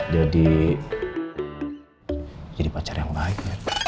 jadi jadi pacar yang baik